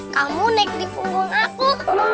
kamu naik di punggung aku